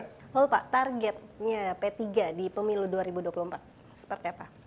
lalu pak targetnya p tiga di pemilu dua ribu dua puluh empat seperti apa